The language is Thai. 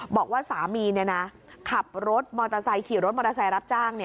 บอกว่าสามีขับรถมอเตอร์ไซค์ขี่รถมอเตอร์ไซค์รับจ้าง